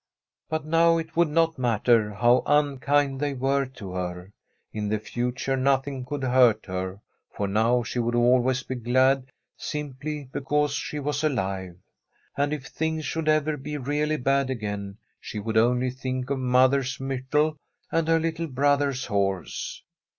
But now it would not matter how unkind they ne STORY of a COUNTRY HOUSE were to her. In the future nothing could hurt her, for now she would always be glad, simply because she was alive. And if things should ever be really bad again, she would only think of mother's myrtle and her little brother's horse.